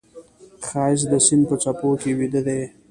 ښایست د سیند په څپو کې ویده دی